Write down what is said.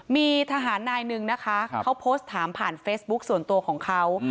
มีทหารนายหนึ่งนะคะเขาโพสต์ถามผ่านเฟซบุ๊คส่วนตัวของเขา